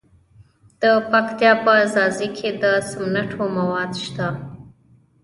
د پکتیا په ځاځي کې د سمنټو مواد شته.